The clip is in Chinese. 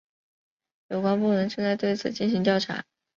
有关部门正在对此进行调查。